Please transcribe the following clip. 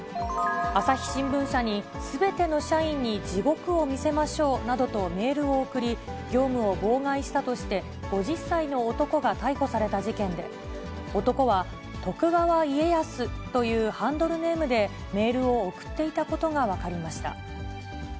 朝日新聞社に、すべての社員に地獄を見せましょうなどとメールを送り、業務を妨害したとして、５０歳の男が逮捕された事件で、男は徳川家康というハンドルネームで、メールを送っていたことが分かりました。